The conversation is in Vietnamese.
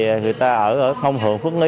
người ta ở ngông thượng phước lý